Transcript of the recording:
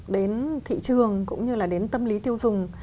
đến thị trường cũng như là đến tâm lý tiêu dùng